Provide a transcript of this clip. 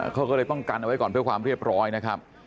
เขาก็เลยต้องกันเอาไว้ก่อนเพื่อความเรียบร้อยนะครับ